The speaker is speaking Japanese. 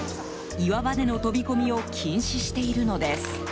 岩場での飛び込みを禁止しているのです。